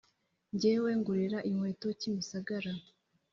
Njyewe ngurira inkweto kimisagara